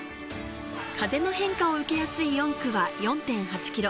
風の変化を受けやすい４区は４．８ｋｍ。